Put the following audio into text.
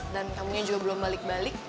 dan kamu nya juga belum balik balik